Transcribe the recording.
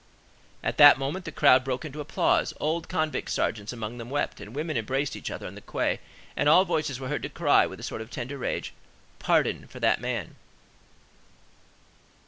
At that moment the crowd broke into applause: old convict sergeants among them wept, and women embraced each other on the quay, and all voices were heard to cry with a sort of tender rage, "Pardon for that man!"